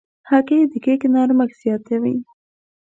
هګۍ د کیک نرمښت زیاتوي.